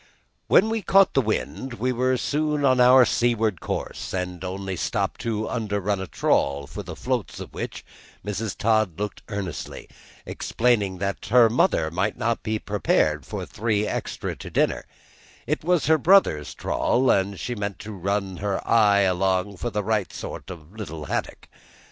When we caught the wind we were soon on our seaward course, and only stopped to underrun a trawl, for the floats of which Mrs. Todd looked earnestly, explaining that her mother might not be prepared for three extra to dinner; it was her brother's trawl, and she meant to just run her eye along for the right sort of a little haddock.